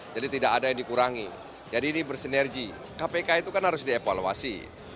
jadi tidak ada yang dikurangi jadi ini bersinergi kpk itu kan harus dievaluasi